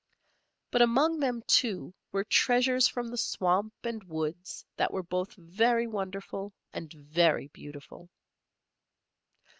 But among them, too, were treasures from the swamp and woods that were both very wonderful and very beautiful.